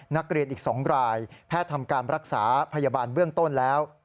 นักเรียนอีก๒รายแพทย์ทำการรักษาพยาบาลเบื้องต้นแล้ว